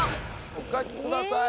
お書きください。